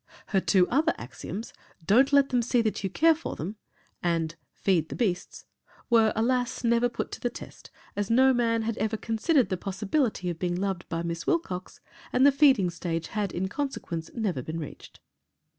Her two other axioms, "Don't let them see that you care for them" and "feed the beasts," were alas! never put to the test as no man had ever considered the possibility of being loved by Miss Wilcox and the feeding stage had, in consequence, never been reached.